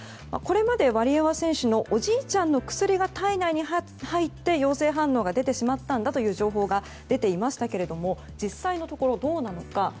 これまでワリエワ選手のおじいちゃんの薬が体内に入って陽性反応が出てしまったんだという情報が出ていましたけれども実際のところどうなのか。